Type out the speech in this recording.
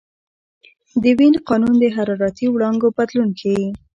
د وین قانون د حرارتي وړانګو بدلون ښيي.